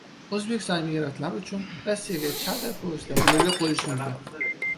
O‘zbekistonlik migrantlar uchun Rossiyaga charter poyezdlar yo‘lga qo‘yishi mumkin